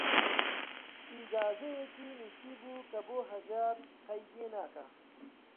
ئیجازەیەکی نووسیبوو کە بۆ هەژار قەیدێ ناکا